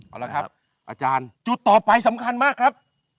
เอาละครับอาจารย์จุดต่อไปสำคัญมากครับ